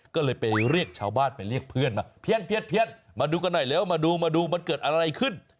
ก็เลยไปเรียกชาวบ้านไปเรียกเพื่อนมาเพี้ยนมาดูกันหน่อยเร็วมาดูมาดูมันเกิดอะไรขึ้น